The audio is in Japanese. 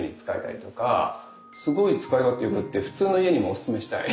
すごい使い勝手よくて普通の家にもおすすめしたい。